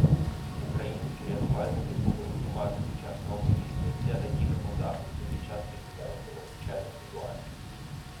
Українські рятувальники повинні мати сучасну амуніцію для надійного захисту під час ліквідації надзвичайних ситуацій